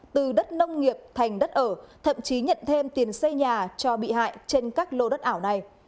từ đất nông nghiệp thành đất ở thậm chí nhận thêm tiền xây nhà cho bị hại trên các lô đất ảo này